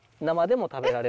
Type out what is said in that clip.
生でも？